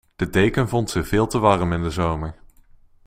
De deken vond ze veel te warm in de zomer.